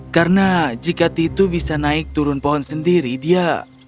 karena jika titu bisa naik turun pohon sendiri dia